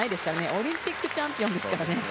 オリンピックチャンピオンですからね。